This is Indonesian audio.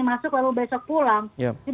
masuk lalu besok pulang